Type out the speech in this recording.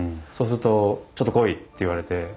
そうすると「ちょっと来い」って言われて。